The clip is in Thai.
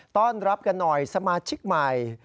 ต้อนรับกันหน่อยสมาชิกใหม่